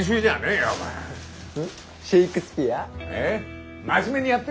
えっ？